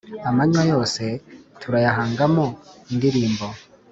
Amanywa yose turayahangamo indirimbo